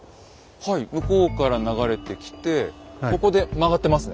はい向こうから流れてきてここで曲がってますね。